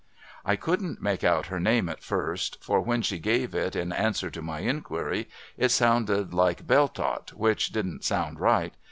I couldn't make out her name at first ; for, when she gave it in answer to my inquiry, it sounded like Beltot, which didn't sound right.